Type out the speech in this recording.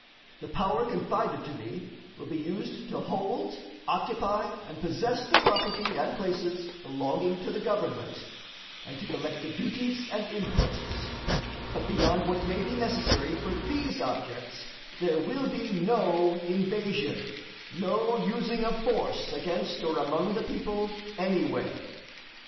The power confided to me will be used to hold, occupy, and possess the property and places belonging to the government, and to collect the duties and imposts; but beyond what may be necessary for these objects, there will be no invasion, no using of force against or among the people anywhere.